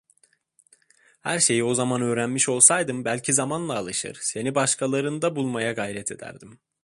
Her şeyi o zaman öğrenmiş olsaydım, belki zamanla alışır, seni başkalarında bulmaya gayret ederdim.